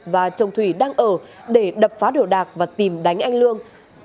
và chồng thủy đang ở để đập phá đồ đạc và tìm đánh anh lương